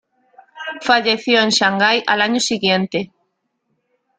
Falleció en Shanghái al año siguiente.